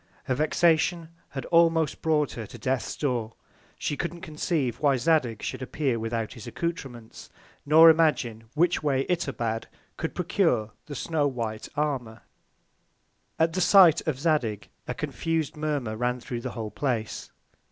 Her Vexation had almost brought her to Death's Door; she couldn't conceive why Zadig should appear without his Accoutrements, nor imagine which Way Itobad could procure the snow white Armour. At the Sight of Zadig a confus'd Murmur ran thro' the whole Place.